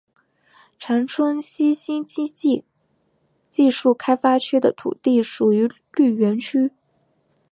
长春西新经济技术开发区的土地属于绿园区。